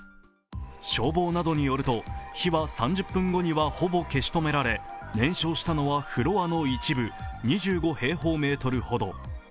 消防などによると火は３０分後にはほぼ消し止められ燃焼したのはフロアの一部２５平方メートルほど。